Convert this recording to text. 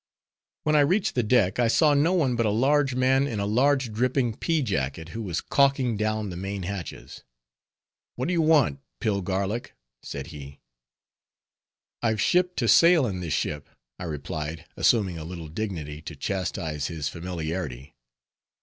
When I reached the deck, I saw no one but a large man in a large dripping pea jacket, who was calking down the main hatches. "What do you want, Pillgarlic?" said he. "I've shipped to sail in this ship," I replied, assuming a little dignity, to chastise his familiarity.